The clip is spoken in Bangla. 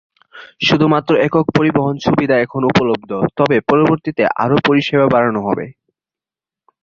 শুধুমাত্র একক পরিবহন সুবিধা এখন উপলব্ধ, তবে পরবর্তীতে আরও পরিষেবার বাড়ানো হবে।